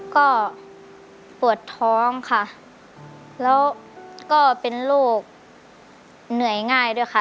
ก็ปวดท้องค่ะแล้วก็เป็นโรคเหนื่อยง่ายด้วยค่ะ